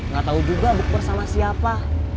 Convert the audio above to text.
gak tahu juga bukber sama siapa